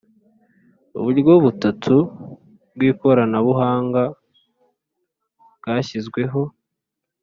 uburyo butatu bw’ikoranabuhanga bwashyizweho